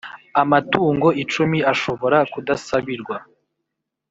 Amatungo icumi ashobora kudasabirwa